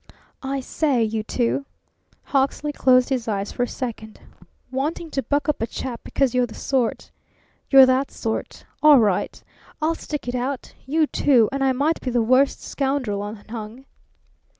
"I say, you two!" Hawksley closed his eyes for a second. "Wanting to buck up a chap because you re that sort! All right. I'll stick it out! You two! And I might be the worst scoundrel unhung!"